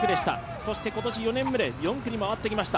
そして今年４年目で４区に回ってきました。